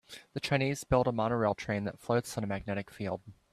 The Chinese built a monorail train that floats on a magnetic field.